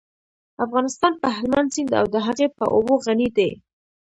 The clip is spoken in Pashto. افغانستان په هلمند سیند او د هغې په اوبو غني دی.